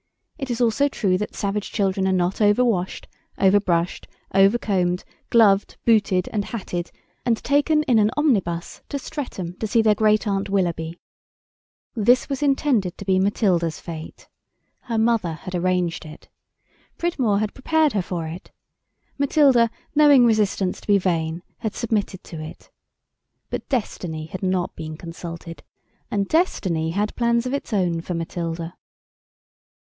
It is also true that savage children are not over washed, over brushed, over combed, gloved, booted, and hatted and taken in an omnibus to Streatham to see their Great aunt Willoughby. This was intended to be Matilda's fate. Her mother had arranged it. Pridmore had prepared her for it. Matilda, knowing resistance to be vain, had submitted to it. But Destiny had not been consulted, and Destiny had plans of its own for Matilda.